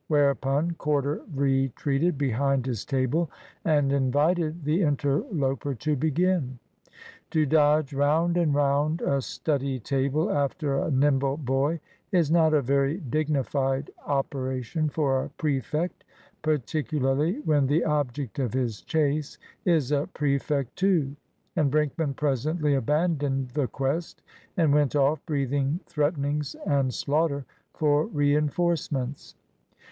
Whereupon Corder retreated behind his table and invited the interloper to begin. To dodge round and round a study table after a nimble boy is not a very dignified operation for a prefect, particularly when the object of his chase is a prefect too; and Brinkman presently abandoned the quest and went off, breathing threatenings and slaughter, for reinforcements.